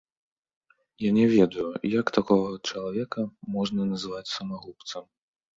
Я не ведаю, як такога чалавека можна назваць самагубцам.